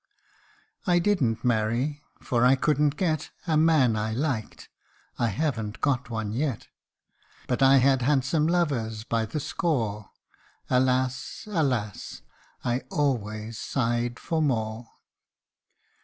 I didn't marry, for I couldn't get A man I liked ; I havn't got one yet ; But I had handsome lovers by the score : Alas ! alas ! I always sighed for more.